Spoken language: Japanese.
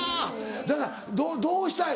だからどうしたい？